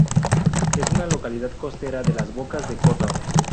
Es una localidad costera de las bocas de Kotor.